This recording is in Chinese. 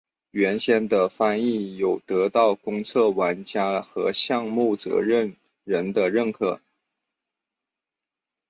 原先的翻译有得到公测玩家和项目负责人认可。